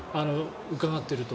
伺っていると。